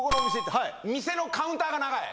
店のカウンターが長い。